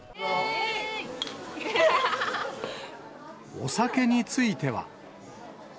お酒については。